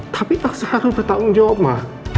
tapi elsa harus bertanggung jawab ma